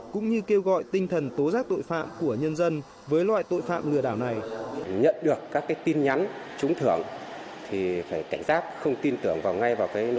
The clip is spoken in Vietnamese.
cũng như kêu gọi tinh thần tố giác tội phạm của nhân dân với loại tội phạm lừa đảo này